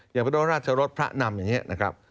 อย่างพระเจ้าราชรสพระนำอย่างนี้นะครับ